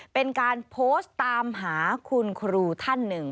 เป็นการโพสต์ตามหาคุณครูท่านหนึ่ง